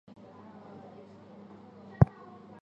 玉山考棚于清乾隆五十七年知县张兼山在旧址重建。